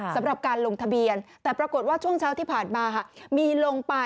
สำหรับการลงทะเบียนแต่ปรากฏว่าช่วงเช้าที่ผ่านมามีลงไป